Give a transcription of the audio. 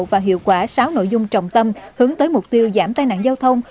và hiệu quả sáu nội dung trọng tâm hướng tới mục tiêu giảm tai nạn giao thông